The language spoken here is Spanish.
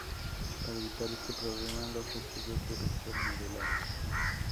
Para evitar este problema, los residuos deben ser modelados.